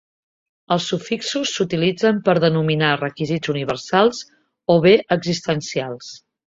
Els sufixos s'utilitzen per denominar requisits "universals" o bé "existencials".